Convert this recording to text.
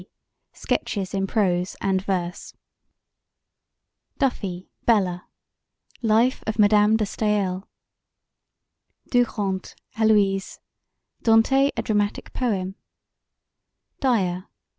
Sketches in Prose and Verse DUFFY, BELLA: Life of Madame de Stael DURANT, HELOISE: Dante: a Dramatic Poem DYER, REV.